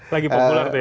lagi populer itu ya